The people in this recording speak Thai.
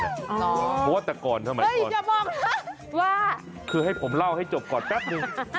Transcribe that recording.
อ๋อเฮ้ยอย่าบอกนะว่าคือให้ผมเล่าให้จบก่อนแป๊บหนึ่ง